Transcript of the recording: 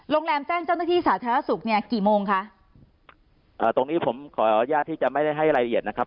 แจ้งเจ้าหน้าที่สาธารณสุขเนี่ยกี่โมงคะอ่าตรงนี้ผมขออนุญาตที่จะไม่ได้ให้รายละเอียดนะครับ